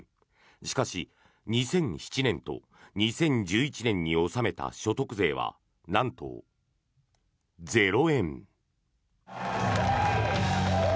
しかし、２００７年と２０１１年に納めた所得税はなんと、０円。